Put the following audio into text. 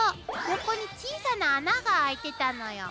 横に小さな穴が開いてたのよ。